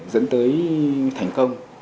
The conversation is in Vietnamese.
dẫn tới thành công